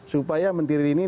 supaya menteri ini